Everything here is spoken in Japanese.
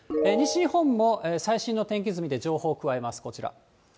西日本も最新の天気図を見て情報を加えます、こちら。